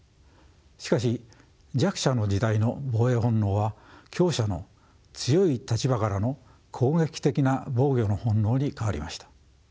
しかし弱者の時代の防衛本能は強者の強い立場からの攻撃的な防御の本能に変わりました。